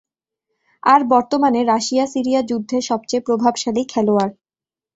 আর বর্তমানে Russia Syria যুদ্ধের সবচেয়ে প্রভাবশালী খেলোয়াড়।